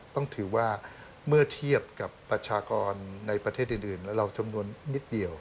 ต้องถือว่าเมื่อเทียบกับประชากรในประเทศอื่นแล้วเราจำนวนนิดเดียว